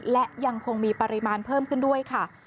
และยังคงมีปริมาณเพิ่มขึ้นด้วยค่ะ